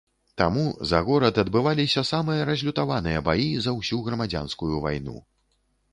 Таму, за горад адбываліся самыя разлютаваныя баі за ўсю грамадзянскую вайну.